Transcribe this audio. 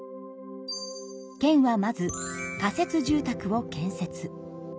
県はまず仮設住宅を建設。